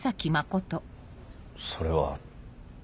それは。